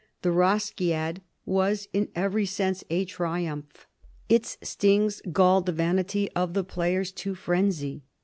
"The Rosciad" was in every sense a triumph. Its stings galled the vanity of the players to frenzy.